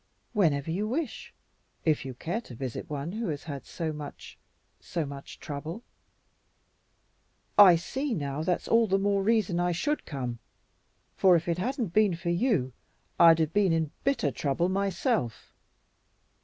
"Whenever you wish, if you care to visit one who has had so much so much trouble." "I see now that's all the more reason I should come, for if it hadn't been for you, I'd have been in bitter trouble myself.